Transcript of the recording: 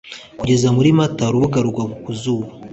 kugeza muri mata urubura rugwa ku zuba